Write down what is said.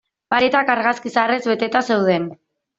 Paretak argazki zaharrez beteta zeuden.